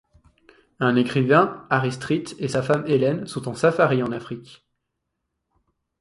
Un écrivain, Harry Street, et sa femme Helen sont en safari en Afrique.